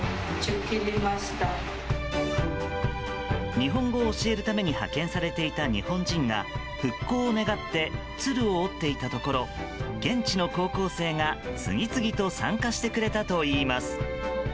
日本語を教えるために派遣されていた日本人が復興を願って鶴を折っていたところ現地の高校生が次々と参加してくれたといいます。